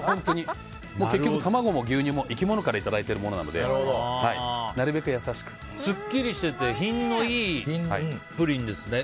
結局、卵も牛乳も生き物からいただいているものなのですっきりしてて品のいいプリンですね。